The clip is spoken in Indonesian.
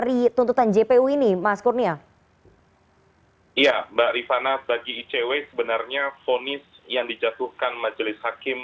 iya mbak rifana bagi icw sebenarnya fonis yang dijatuhkan majelis hakim